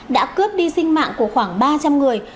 đã cướp đi sinh mạng của khoảng ba trăm linh người